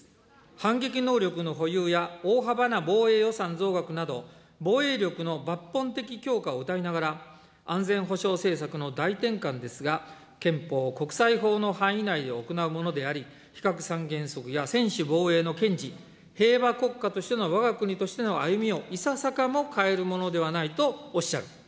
反撃能力の保有や大幅な防衛予算増額など、防衛力の抜本的強化をうたいながら、安全保障政策の大転換ですが、憲法、国際法の範囲内で行うものであり、非核三原則や専守防衛の堅持、平和国家としてのわが国としての歩みをいささかも変えるものではないとおっしゃる。